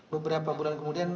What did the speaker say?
beberapa bulan kemudian